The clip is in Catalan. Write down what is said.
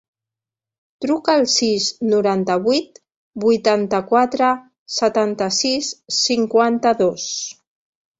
Truca al sis, noranta-vuit, vuitanta-quatre, setanta-sis, cinquanta-dos.